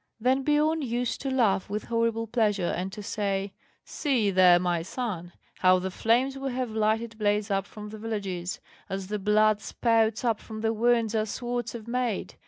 Then Biorn used to laugh with horrible pleasure, and to say: "See there, my son, how the flames we have lighted blaze up from the villages, as the blood spouts up from the wounds our swords have made!